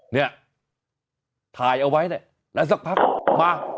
เนี่ยทายเอาไว้แล้วสักพักมา